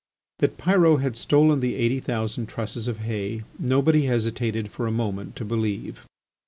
That Pyrot had stolen the eighty thousand trusses of hay nobody hesitated for a moment to believe.